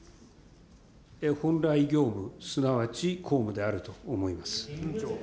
本来業務、すなわち公務であると思います。